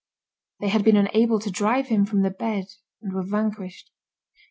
They had been unable to drive him from the bed and were vanquished.